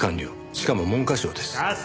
しかも文科省です。